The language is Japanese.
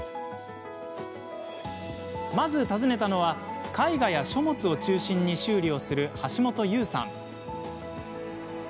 まず、訪ねたのは絵画や書物を中心に修理をする橋本悠さん。